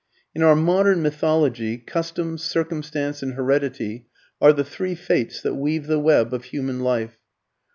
In our modern mythology, Custom, Circumstance, and Heredity are the three Fates that weave the web of human life.